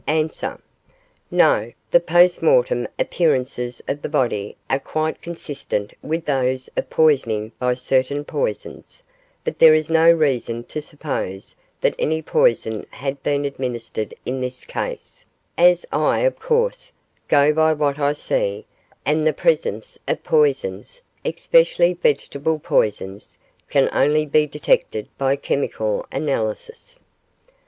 A. No: the post mortem appearances of the body are quite consistent with those of poisoning by certain poisons, but there is no reason to suppose that any poison has been administered in this case, as I, of course, go by what I see; and the presence of poisons, especially vegetable poisons, can only be detected by chemical analysis.